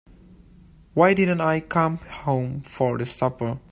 Why didn't I come home for supper?